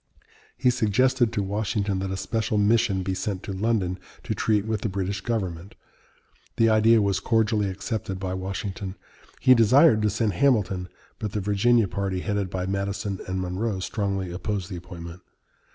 He suggested to Washington that a special mission be sent to London to treat with the British government. The idea was cordially accepted by Washington. He desired to send Hamilton, but the Virginia party, headed by Madison and Monroe, strongly opposed the appointment.